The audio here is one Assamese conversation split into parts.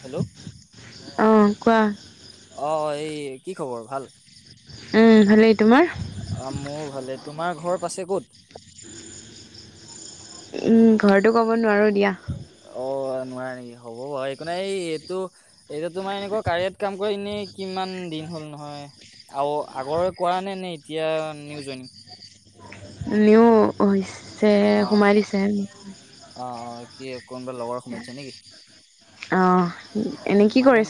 হেল্ল' অ' অ' এই। কি খবৰ ভাল। উম, ভালেই তোমাৰ? অ মোৰ ভালে তোমাৰ ঘৰ পাছে ক'ত। উম, ঘৰতো ক'ব নোৱাৰো দিয়া। অ' নোৱাৰা নেকি হ'ব বাৰু সেইকাৰণে এই এইটো এইটো তোমাৰ এনেকুৱা কাৰিয়াত কাম কৰি এনেই কিমান দিন। [unintelligible] আগৰ কৰা নে নে এতিয়া নিউ জইন। নিও হৈছে, অ সোমাই দিছে। অ অ কি কোনোবা লগৰ সোমাইছে নেকি অহ। অ' মানে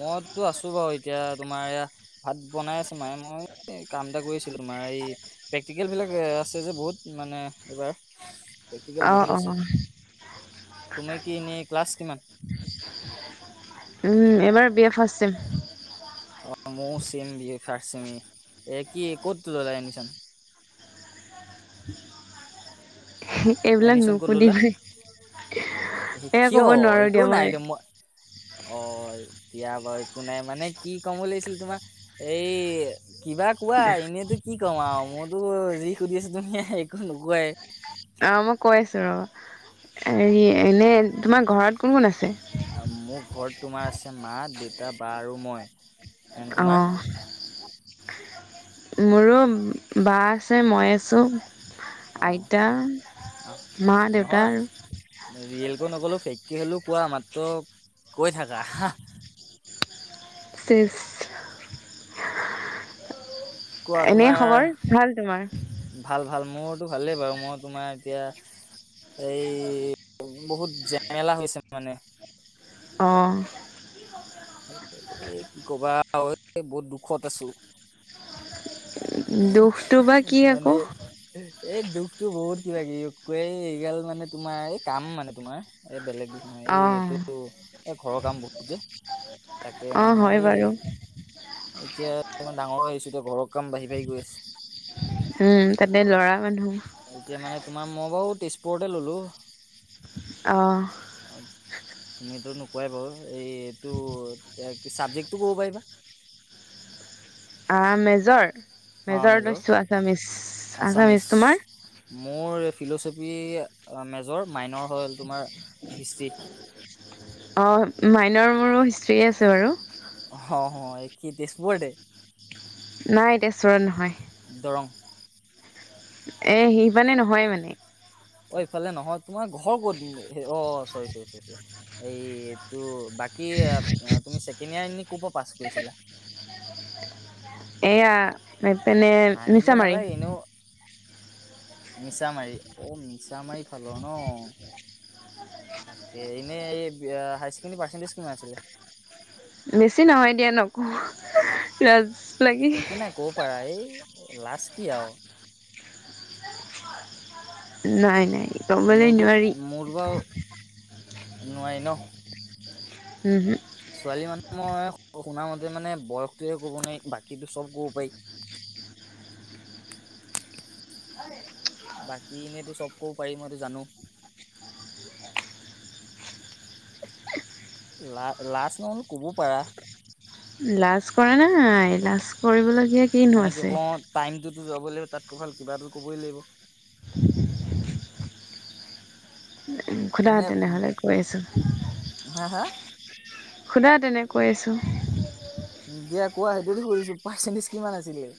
মইতো আছো। বাৰু এতিয়া তোমাৰ এয়া ভাত বনাই আছে মায়ে মই। কাম এটা কৰিছিলো, তোমাৰ এই প্ৰেক্টিকেল বিলাক আছে যে বহুত মানে এইবাৰ। প্ৰেক্টিকেল অ', বহুত আছে অ', তুমি কি এনেই ক্লাছ কিমান। এবাৰ বি এ ফাৰ্ষ্ট চেম। অ' মইও চেম বি ফাৰ্ষ্ট চেমে এ কি ক'ত ল'লা এডমিশ্যন। এইবিলাক এডমিশ্যন ক'ত ল'লা? নুশুধিবাই। কিয় একো নাই মই অ'। এতিয়া বাৰু একো নাই মানে কি ক'ম লাগিছিল তোমাৰ এই কিবা কোৱা এনেইতো কি ক'ম আৰু মইতো যি সুধিছো তুমি একো নোকোৱাই। অ' মই কৈ আছো ৰ হেৰি এনে তোমাৰ ঘৰত কোন কোন আছে। মোৰ ঘৰত তোমাৰ আছে মা দেউতা বা আৰু মই। এন তোমাৰ? অহ' মোৰো বা আছে মই আছোঁ। অ' অ' মা দেউতা নহয় আৰু ৰিয়েলকৈ নকলেও। ফ্ৰেইনক হ'লেও কোৱা মাত্ৰ কৈ থাকা। চেছ। কোৱা এনে তোমাৰ খবৰ ভাল তোমাৰ? ভাল। ভাল মোৰতো ভালেই বাৰু মই তোমাৰ এতিয়া। এই বহুত জেমেলা হৈছে মানে। অহ'। এ কি কবা আৰু বহুত দুখত আছো। দুখটো বা কি মানে আকৌ? এই দুখতটো বহুত কিবা কিব। এই এই গাল মানে তোমাৰ এই কাম মানে তোমাৰ এই বেলেগ দুখ মানে অহ। এই ঘৰৰ কাম বহুত যে। তাকে অ', মানে হয় এই বাৰু। এতিয়া মই ডাঙৰ হৈ আহিছো এতিয়া ঘৰৰ কাম বাঢ়ি বাঢ়ি গৈ আছে। উম, তাতে ল'ৰা মানুহ। এতিয়া মানে তোমাৰ মই বাৰু তেজপুৰতে ল'লো। অহ'। তুমিতো নোকোৱাই বাৰু এই এইটো চাবজেক্টটো ক'ব পাৰিবা। মেজৰ, মেজৰ লৈছো আচমিছ, আচামিছ আছামিছ তোমাৰ? মোৰ ফিল'চফি মেজৰ মাইনৰ হ'ল তোমাৰ হিষ্টি। অ', মাইনৰ মোৰো হিষ্ট্ৰীয়ে আছে বাৰু। অহ অ' এই কি তেছপুৰতেই? নাই তেছপুৰত নহয়। দৰং? এ সিপানে নহয় মানে। অ', ইফালে নহ অ', তোমাৰ ঘৰ ক'তনো? অ', চৰি চৰি চৰি এইটো বাকী তুমি ছেকেণ্ড ইয়াৰ এনে ক'ৰ পৰা পাছ কৰিছিলা? [inaudible] এইয়া এইপিনে হাঁহিব নিছামাৰি। মিছামাৰি অ' মিছমাৰি ফাল ন। তাকে এনেই হায়াৰ ছেকেণ্ডেৰী পাৰ্চেণ্টেজ কিমান আছিলে? বেছি নহয় দিয়া নকওঁ লাগে একো নাই ক'ব পাৰা এই লাজ কি আৰু। নাই নাই। ক'বলৈ মোৰতো নোৱাৰি মোৰতো বাৰু নোৱাৰি ন। উহো। ছোৱালী মানুহ মই শুনা মতে মানে বয়সটোয়ে ক'ব নোৱাৰি বাকীো চব ক'ব পাৰি। [inaudible] বাকী এনেইতো চব ক'ব পাৰি মইতো জানো। লা লাজ নহয়ও ক'ব পাৰা। লাজ কৰা নাই লাজ কৰিবলৈ মানে কি কওঁ টাইমটোত যাবই লাগিব তাতকো ভাল কিবা এটা ক'বই লাগিব। সুধা এনে তেনেহ'লে কৈ আছো। হা হা সুধা তেনেক কৈ আছো। দিয়া কোৱা সেইটোত সুধিছো পাৰ্চেণ্টেজ কিমান আছিলে?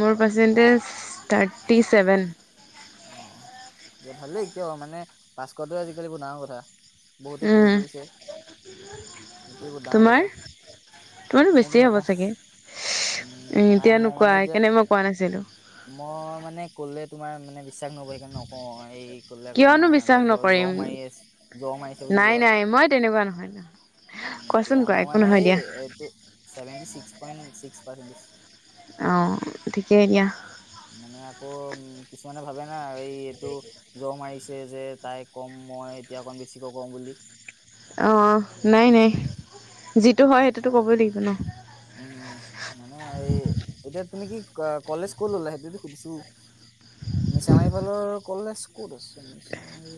মোৰ পাৰ্চেণ্টেজ থাৰ্টি চেভেন। অ', অ, ' ভালেই কিয় মানে পাচ কৰাটোয়ে আজিকালি ডাঙৰ কথা। বহুতে ফেইল কৰিছে। সেইটোয়ে বহুত ডাঙৰ তোমাৰ কথা। তোমাৰতো মোৰতো বেছিয়ে হ'ব নকওঁ চাগে? উম, নাই এতিয়ানো মই মানে কোৱা সেই এতিয়া কাৰণে মই কোৱা নাছিলো। মই মানে ক'লে তোমাৰ মানে বিশ্বাস নকৰিবা নকওঁ এই ক'লে আকৌ কিয়নো তোমাৰ বিশ্বাস ভাবিব জ্বৰ নকৰিম মাৰি আছে, জ্বৰ মাৰিছে নাই নাই মই তেনেকুৱা নহয় নহয়। কোৱাচোন দিয়া কোৱা মোৰ একো মানে এই দিয়া এইটো চেভেন্টি চিস্ক পাৰচেন্টেজ। অ', ঠিকেই দিয়া। মানে আকৌ উম কিছুমানে ভাবে না এই এইটো জ্বৰ মাৰি যে তাই ক'ম মই এতিয়া অকণ বেছিকৈ কম বুলি অ' নাই নাই যি [unintelligible] উম, মানে এই এতিয়া তুমি কি কলেজ ক'ত ল'লা সেইতো সুধিছো? মিছামাৰী ফালৰ কলেজ ক'ত আছে, মিছামাৰী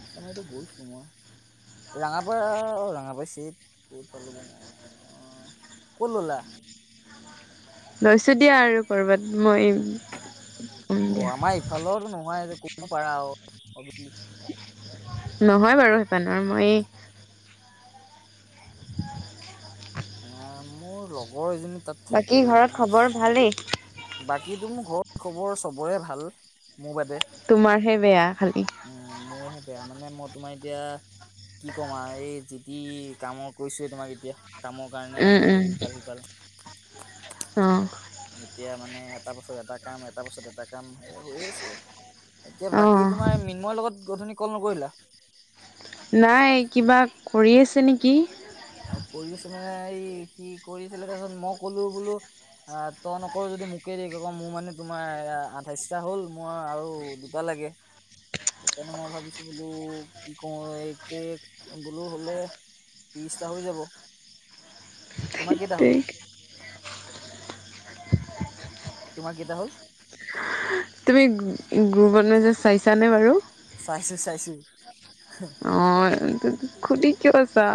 নিছামাৰিটো গৈছো মই। ৰঙাপাৰ অ' ৰঙাপাৰ চিনি [unintelligible] ক'ত ল'লা? লৈছো দিয়া আৰু ক'ৰবাত মই ক'ম অ, দিয়া ' আমাৰ ইফালতো নহয় যে ক'ব পাৰা আৰু অবিৱাচলি। নহয় বাৰু সেইফালৰ মই অ' মোৰ লগৰ এজনী তাত বাকী থাকে ঘৰত খবৰ নিশ্চয় ভালেই বাকী মোক ঘৰত খবৰ চবৰে ভাল। মোৰ বাদে তোমাৰহে বেয়া খালি। উম মোৰহে বেয়া মানে মই তোমাৰ এতিয়া কি ক'ম আৰু এই যি টি কামৰ কৰিছোৱে তোমাক এতিয়া কামৰ কাৰণে উম ইফাল সিফাল অহ' এতিয়া মানে এটা বছৰ এটা কাম এটা বছৰত এটা কাম সে হৈ আছে। এতিয়া বাকী অঁ তোমাৰ মিন্ময়ৰ লগত অথনি কল নকৰিলা? নাই কিবা কৰি আছে নেকি? অ' কৰি আছে মানে এই সি কৰিছিলে তাৰপিছত মই কলো বোলো অ' তই নকৰ যদি মোকে দেগে ক মোৰ মানে তোমাৰ আঠাইশটা হ'ল মই আৰু দুটা লাগে [unintelligible] সেইকাৰণে মই ভাবিছোঁ বোলো কি কওঁ এই কে বোলো হ'লে ত্ৰিছটা হৈ যাব তোমাৰ কেইটা হ'ল? তোমাৰ কেইটা হ'ল? তুমি গ্ৰুপন মেচেজ যে চাইছানে বাৰু চাইছো, চাইছো অ' খুলি কিয় আছা।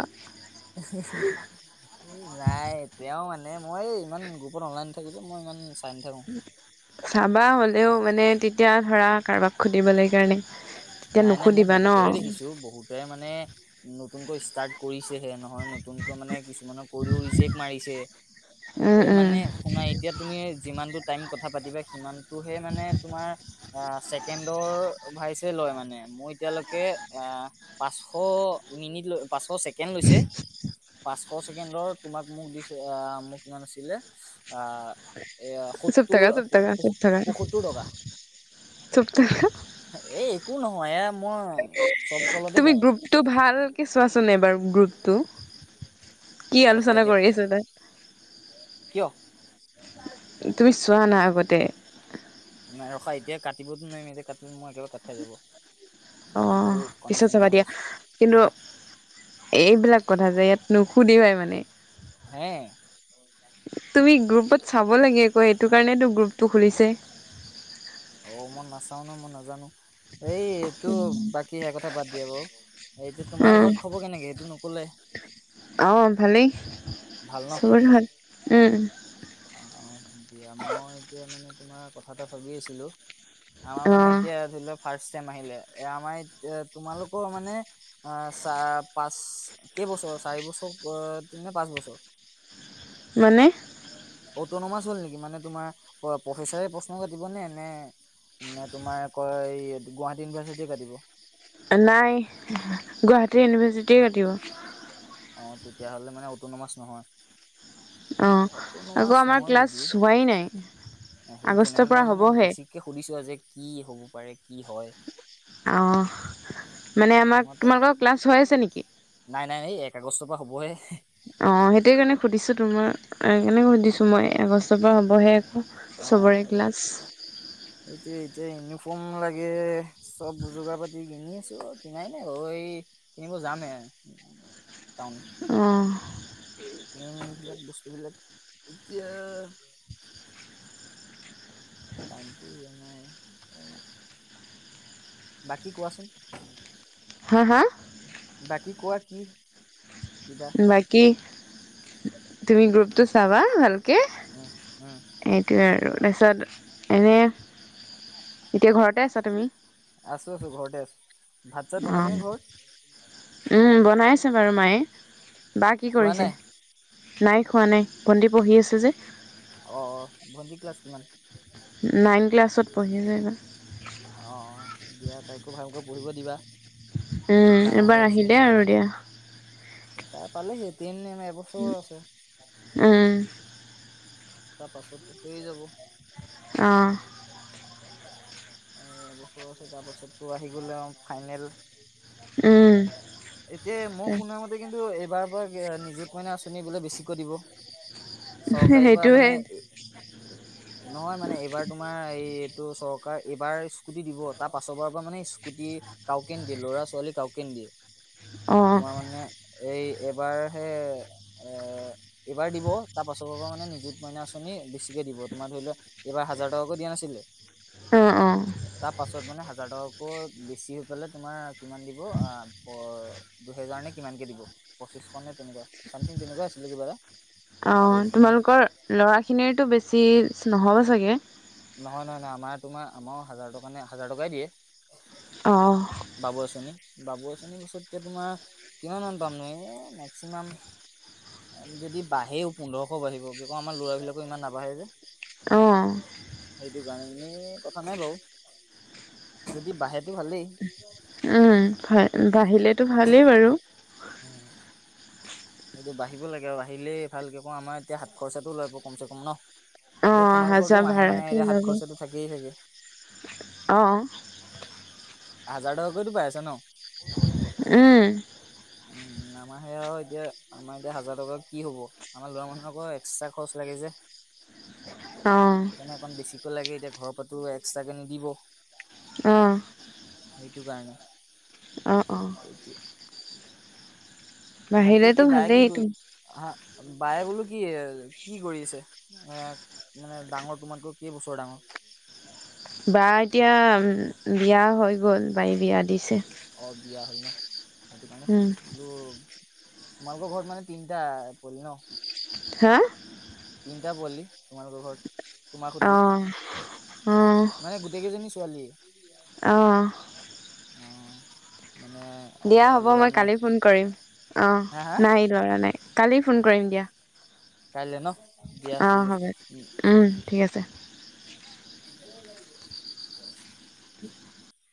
[unintelligible] এই নাই তেওঁ মানে মই ইমান গ্ৰুপত অনলাইন নাথাকো যে মই ইমান চাই নাথাকো। চাবা হ'লেও মানে তেতিয়া ধৰা কাৰোবাক সুধিবলৈ কাৰণে তেতিয়া নাই নাই মই নুসুধিবা ন বহুতৰে দেখিছো বহুতেৰে মানে নতুনকৈ ষ্টাৰ্ট কৰিছে এই নহয় নতুনকৈ মানে কিছুমানৰ কৰিও ৰিজেক্ট মাৰিছে। উম এ উম মানে শুনাাই এতিয়া তুমি যিমানটো টাইম কথা পাতিবা সিমানটোহে মানে তোমাৰ ছেকেণ্ডৰ লয় মানে মই এতিয়ালৈকে পাচশ মিনট, পাচশ ছেকেণ্ড লৈছে। পাঁচশ ছেকেণ্ডৰ তোমাক মোক দিছে, আহ মোক ইমান আছিলে আহ এ চুপ সত্তৰ থাকা চুপ থাকা চুপ থাকা পয়সত্তৰ টকা [unintelligible] এ একো নহয় এ মই চব কলতে তুমি কওঁ গ্ৰুপটো ভালক চোৱাচোন এবাৰ গ্ৰুপটো। কি ৰখা আলোচনা এতিয়া কৰি আছে তাত। কিয় তুমি চোৱা না আগতে। নাই ৰখা এতিয়া কাটিবতো নোৱাৰিম। এতিয়া কাটিলে মই একেবাৰে কাট খাই যাব। মোবাইলটো অ' পিছত কণ্ডিচন চাবা বেয়া হৈ দিয়া। আছে অ কিন্তু এইবিলাক কথা যে ইয়াত নুসুধিবাই মানে। হে তুমি গ্ৰুপত চাব লাগে আকৌ, সেইটো কাৰণেতো গ্ৰুপটো খুলিছে। অ মই নাচাও ন মই নাজানো এইটো বাকী সে কথা বাদ দিয়ে বাৰু। এতিয়া তোমাৰ ঘৰত খবৰ কেনেকে সেইটো নকলাই। অ', ভালেই ন চবৰে ভাল উম, অ অ দিয়া মই এতিয়া মানে তোমাৰ কথা এটা ভাবি আছিলোঁ, আমাৰ মানে অ', এতিয়া ধৰি লওক ফাৰ্ষ্ট চেম আহিলে, এ আমাৰ ই তোমালোকৰ মানে চা পাচ কেইবছৰ চাৰি বছৰ নে পাঁচ বছৰ? [unintelligible] মানে অটনমাছ হ'ল নেকি মানে তোমাৰ প্ৰফেচাৰে প্ৰশ্ন কাটিব নে নে নে তোমাৰ কৌ এই গুৱাহাটী ইউনিভাৰ্চিটি কাটিব। নাই গুৱাহাটী ইউনিভাৰ্চিটিয়ে কাটিব। অ' তেতিয়াহ'লে মানে অটনমাছ নহয়। অ' আকৌ অট'নমাছ আমাৰ নহয় ক্লাছ যদি হোৱাই নাই। সেইটো নহ আগষ্টৰ পৰা মই মানে হ'বহে বেছিকে সুধিছো আ যে কি হ'ব পাৰে কি হয়? অ', মানে আমাক মই তাক তোমালোকৰ ক্লাছ হৈ আছে নেকি? নাই নাই এই এক আগষ্টৰ পৰা হ'বহে অ' সেইটোয় কাৰণে সুধিছো তোমাৰ কেনেকৈ সুধিছোঁ, মই আগষ্টৰ পৰা হ'বহে। অ চবৰে এগিলাছ ফোন লাগে চব যোগাৰ পাতি কিনি ছো কিনাই নাই বাৰু, কিনিব যাম হে। অ', কমবিলাক বস্তুবিলাক এতিয়া পানীটো মানে বাকী কোৱাচোন হাঁ, হাঁ? বাকী কোৱা কি কিবা বাকী তুমি গ্ৰুপটো চাবা ভাল উম, উম, আৰু তাৰপিছত এনেই এতিয়া ঘৰতে আছা তুমি? আছো আছো ঘৰতে আছো ভাত চাত বনাইছে নে ঘৰত? উম, বনাইছে বাৰু মায়ে বা কি খোৱা কৰিছে? নাই নাই খোৱা নাই ভণ্টি পঢ়ি আছে যে। অ', অ', ভণ্টি ক্লাছ কিমান? নাইন ক্লাছত পঢ়ি [unintelligible] অঁ অঁ দিয়া তাইকো ভালকৈ পঢ়িব দিবা। উম, ডাঙৰ হৈ এবাৰ আহিছে আহিলেই আৰু দিয়া। তাই পালেহি তেতিনিম এবছৰ আছে। উম তাৰ পাছতটো হৈয়ে যাব। অ', এবছৰ আছে তাৰপাছততো আহি গ'লে ফাইনেল। উম। এতিয়া মই শুনা মতে কিন্তু, এইবাৰ পৰা নিজুত মইনা আঁচনি বোলে বেছিকৈ দিব। চৰকাৰী পৰা সেইটোৱে। মানে নহয় মানে এইবাৰ তোমাৰ এই ত' চৰকাৰ এইবাৰ স্কুটি দিব তাৰ পাছৰবাৰ পৰা মানে স্কুটি কাওকে নিদে ল'ৰা ছোৱালী কাও কেন দিয়ে অ তোমাৰ মানে এই এবাৰহে এ এইবাৰ দিব তাৰ পাছৰ পৰা মানে নিযুত মইনা আঁচনি বেছিকে দিব তোমাৰ ধৰি লোৱা, এইবাৰ হাজাৰ টকাকৈ দিয়া নাই ছিলে, অ অ তাৰ পাছত মানে হাজাৰ টকাতকৈ বেছি হৈ পেলাই তোমাৰ কিমান [unintelligible] দুহেজাৰ নে কিমানকে দিব পঁচিছশ নে তেনেকুৱা চামথিং তেনেকুৱা আছিলে কিবা এটা। অ', পাহৰিছো মই তোমালোকৰ ল'ৰাখিনিৰতো বেছি নহ'ব চাগে। নহয়-নহয়-নহয়, আমাৰ তোমাৰ আমাৰো হাজাৰ টকা নে হাজাৰ টকাই অ দিয়ে। বাবু আঁচনি। বাবু আঁচনিৰ পাছত এতিয়া তোমাৰ কিমানমান পামনো এই মেক্সিমাম যদি বাঢ়েও পোন্ধৰশ বাঢ়িব কি ক আমাৰ লৰা বিলাকৰ ইমান নাবাঢ়ে যে। অ', সেইটো কাৰণে এনেই কথা নাই বাৰু যদি বাঢ়েটো ভালেই। উম, ভাল বাঢ়িলেতো ভালেই বাৰু। এয়া বাঢ়িব লাগে আৰু বাঢ়িলেই ভালকে ক আমাৰ এতিয়া সাত খৰচাটো ওলাব কমচে কম ন? অ এতিয়া অহা যোৱা তোমালোকৰটো মাহে মাহে, ভাড়াটো এতিয়া সাত ওলাব খৰচাটো থাকিয়েই চাগে। অ হাজাৰ টকাকৈতো পাই আছা ন? উম, উম, আমাৰ সেয়া আৰু এতিয়া আমাৰ এতিয়া হাজাৰ টকা কি হ'ব, আমাৰ লৰা মানুহ আকৌ এক্সট্ৰা খৰচ লাগে যে। [inaudible] অ সেইকাৰণে অকণ বেছিকৈ লাগে এতিয়া ঘৰৰ পৰাটো এক্সট্ৰাকে নিদিব। অ', সেইটো কাৰণে। অ', অ', বা কি বাহিলেতো কি বায়ে কি ভালেইটো কৰি হা বায়ে বোলো কি কি কৰি আছে, এ মানে ডাঙৰ তোমাতকৈ কেই বছৰ ডাঙৰ? বা এতিয়া বিয়া হৈ গ'ল, বাৰী বিয়া দিছে। অ বিয়া হ'ল ন সেইটো কাৰণে উম সুধিছিলোঁ, তোমালোকৰ ঘৰত মানে তিনটা পোৱালী ন'? হাঁ? তিনিটা পোৱালী তোমালোকৰ ঘৰত? তোমাৰ সতি অ', অ', মানে গোটেই কেইজনী ছোৱালী অ', অ', মানে অক দিয়া হ'ব ল'ৰা মই নাই কালি ফোন কৰিম অ', হা হা নাই ল'ৰা নাই। কালি ফোন কৰিম দিয়া। কাইলৈ ন দিয়া ঠিক অ', আছে হ'ব উম, ঠিক আছে। [unintelligible] [inaudible]